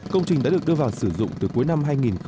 công trình đã được đưa vào sử dụng từ cuối năm hai nghìn một mươi